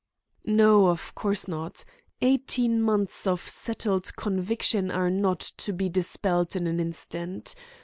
"No, of course not. Eighteen months of settled conviction are not to be dispelled in an instant.